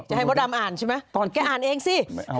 ให้มดดำอ่านใช่ไหมตอนแกอ่านเองสิ